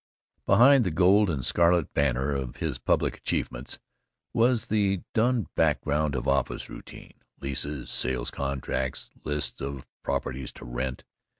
Behind the gold and scarlet banner of his public achievements was the dun background of office routine: leases, sales contracts, lists of properties to rent.